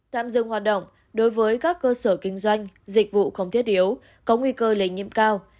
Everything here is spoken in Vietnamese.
tạm dừng hoạt động đối với các cơ sở kinh doanh dịch vụ không thiết yếu có nguy cơ lây nhiễm cao